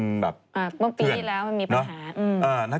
เมื่อปีที่แล้วมันมีปัญหา